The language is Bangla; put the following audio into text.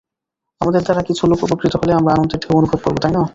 আমাদের দ্বারা কিছু লোক উপকৃত হলে আমরা আনন্দের ঢেউ অনুভব করব, তাই না?